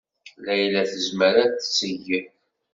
Layla tezmer ad tt-teg.